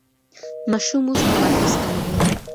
ماشوم اوس تمرکز کوي.